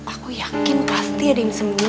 aku yakin pasti ada yang sembuh